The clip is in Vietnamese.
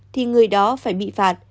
thì người đó phải bị phạt